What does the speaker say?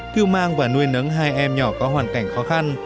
cứu mang và nuôi nấng hai em nhỏ có hoàn cảnh khó khăn